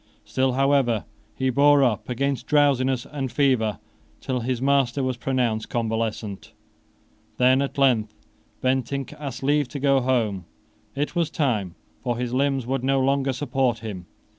Still, however, he bore up against drowsiness and fever till his master was pronounced convalescent. Then, at length, Bentinck asked leave to go home. It was time: for his limbs would no longer support him.